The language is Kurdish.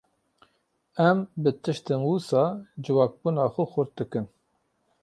Em bi tiştên wisa civakbûna xwe xurt dikin.